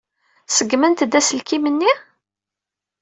Ṣeggment-d aselkim-nni?